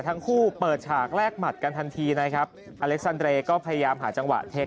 ทั้งคู่เปิดฉากแลกหมัดกันทันทีนะครับอเล็กซันเรย์ก็พยายามหาจังหวะเทค